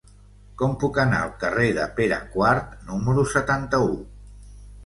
Com puc anar al carrer de Pere IV número setanta-u?